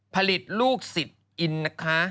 ผลิตลูกศิษย์อินนะคะ